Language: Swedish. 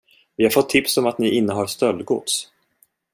Vi har fått tips om att ni innehar stöldgods.